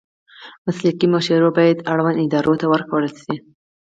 مسلکي مشورې باید اړوندو ادارو ته ورکړل شي.